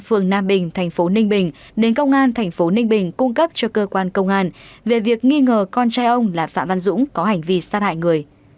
phường nam bình thành phố ninh bình đến công an thành phố ninh bình cung cấp cho cơ quan công an về việc nghi ngờ con trai ông là phạm văn dũng có hành vi sát hại người